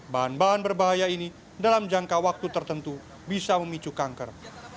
bahan bahan berbahaya ini dalam jangka waktu tertentu bisa memicu kanker